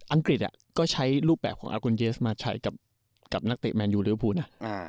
องกฤษก็ใช้รูปแบบของอากุลเยสมาใช้กับนักเตะแมนยูริวภูนะ